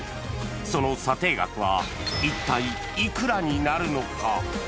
その査定額は一体いくらになるのか。